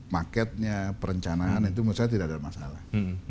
marketnya perencanaan itu menurut saya tidak ada masalah